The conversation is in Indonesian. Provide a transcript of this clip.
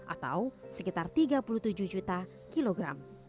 atau sekitar tiga puluh tujuh juta kilogram